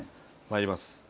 まいります。